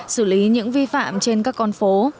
xử lý những vi phạm trên các con phố